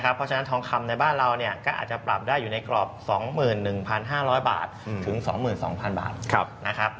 เพราะฉะนั้นทองคำในบ้านเราก็อาจจะปรับได้อยู่ในกรอบ๒๑๕๐๐บาทถึง๒๒๐๐บาทนะครับ